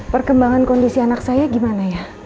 perkembangan kondisi anak saya gimana ya